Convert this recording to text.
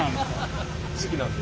好きなんで。